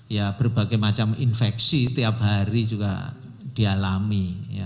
ya berbagai macam infeksi tiap hari juga dialami